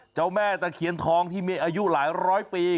เจ้าแม่ตะเคียนทองที่มีอายุหลายร้อยปี